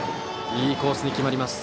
いいコースに決まります。